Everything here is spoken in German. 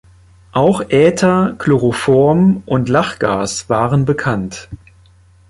Auch Äther, Chloroform und Lachgas waren bekannt.